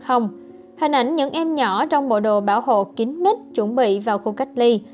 hình ảnh những em nhỏ trong bộ đồ bảo hộ kính mít chuẩn bị vào khu cách ly